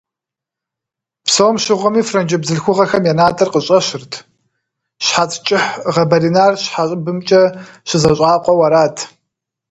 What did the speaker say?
Псом щыгъуэми франджы бзылъхугъэхэм я натӀэр къыщӀэщырт, щхьэц кӀыхь гъэбэринар щхьэ щӀыбымкӀэ щызэщӀакъуэу арат.